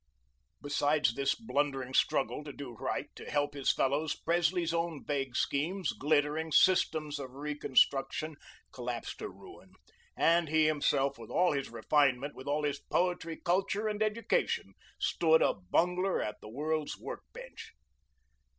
Beside this blundering struggle to do right, to help his fellows, Presley's own vague schemes, glittering systems of reconstruction, collapsed to ruin, and he himself, with all his refinement, with all his poetry, culture, and education, stood, a bungler at the world's workbench.